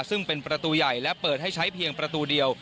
ซึ่งเป็นประตูใหญ่และเปิดให้ใช้เพียงประตูเดียว